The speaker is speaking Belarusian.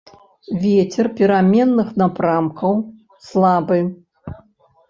Вецер пераменных напрамкаў, слабы.